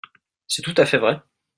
C’est tout à fait vrai